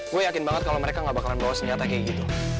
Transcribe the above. gue yakin banget kalau mereka gak bakalan bawa senjata kayak gitu